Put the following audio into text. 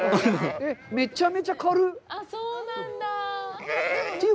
めちゃめちゃ軽い。